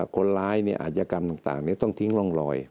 อาจจะกรรมต่างต้องทิ้งร่องรอย